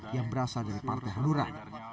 yang berasal dari kabinet jokowi